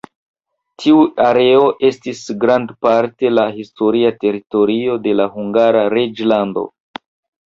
Tiu areo estis grandparte la historia teritorio de la Hungara Reĝlando.